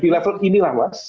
di level inilah mas